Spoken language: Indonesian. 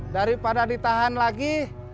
daripada ditahan lagi